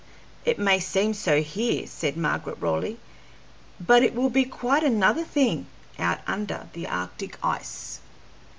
"It may seem so here," said Margaret Raleigh, "but it will be quite another thing out under the arctic ice."